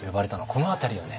この辺りをね